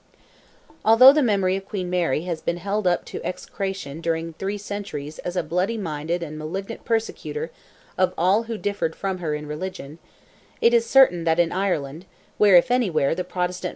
Although the memory of Queen Mary has been held up to execration during three centuries as a bloody minded and malignant persecutor of all who differed from her in religion, it is certain that in Ireland, where, if anywhere, the Protestant.